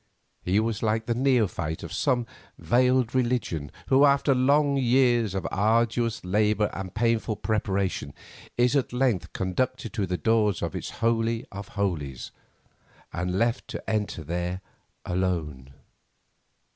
He was like the neophyte of some veiled religion, who, after long years of arduous labour and painful preparation, is at length conducted to the doors of its holy of holies, and left to enter there alone.